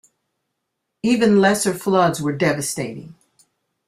Even lesser floods were devastating.